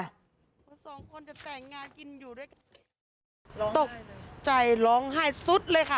เพราะสองคนจะแต่งงานกินอยู่ด้วยกันตกใจร้องไห้สุดเลยค่ะ